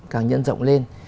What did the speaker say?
càng nhân rộng lên